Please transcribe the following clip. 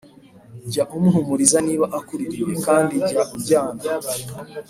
jya umuhumuriza niba akuririye, kandi jya ujyana